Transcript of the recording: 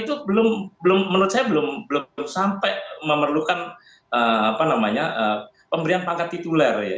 itu belum menurut saya belum sampai memerlukan pemberian pangkat tituler ya